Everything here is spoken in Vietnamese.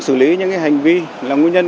xử lý những hành vi là nguyên nhân